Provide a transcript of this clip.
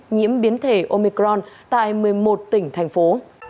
nhiễm biến thể omicron tại một mươi một tỉnh thành phố